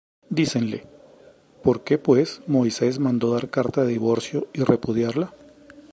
Dícenle: ¿Por qué, pues, Moisés mandó dar carta de divorcio, y repudiarla?